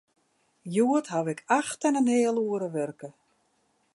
Hjoed haw ik acht en in heal oere wurke.